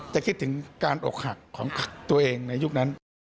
คิดถึงการอกหักของตัวเองในยุคนั้น